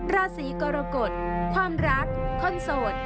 ราศีกรกฎความรักคนโสด